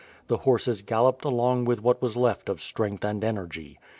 The horses galloped along with what was left of strength and energy.